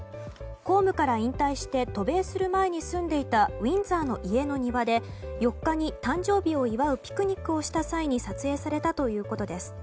公務から引退して渡米する前に住んでいたウィンザーの家の庭で４日に誕生日を祝うピクニックをした際に撮影されたということです。